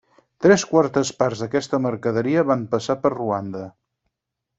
Tres quartes parts d'aquesta mercaderia van passar per Ruanda.